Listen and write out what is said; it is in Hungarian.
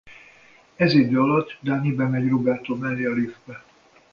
Ez idő alatt Dany bemegy Roberto mellé a liftbe.